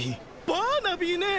バーナビーねぇ！